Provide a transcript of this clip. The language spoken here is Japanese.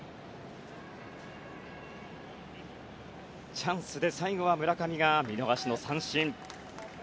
チャンスで最後は村上が見逃しの三振。